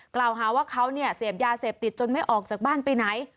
กล่าวหาว่าเขาเนี่ยเสพยาเสพติดจนไม่ออกจากบ้านไปไหน